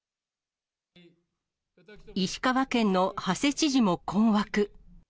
石川県の馳知事も困惑。